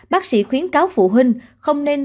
bác sĩ khuyến cáo phụ huynh không nên